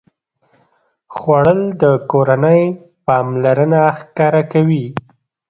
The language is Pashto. خوړل د کورنۍ پاملرنه ښکاره کوي